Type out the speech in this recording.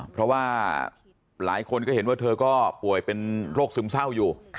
เพราะว่าหลายคนก็เห็นว่าเธอก็ป่วยเป็นโรคซึมเศร้าอยู่